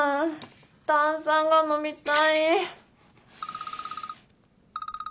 炭酸が飲みたい。